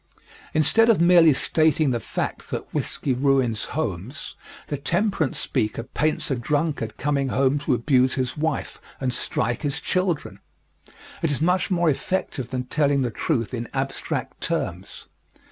Instead of merely stating the fact that whiskey ruins homes, the temperance speaker paints a drunkard coming home to abuse his wife and strike his children. It is much more effective than telling the truth in abstract terms.